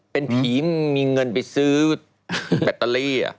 เป็นผีมีเงินไปซื้อแบตเตอรี่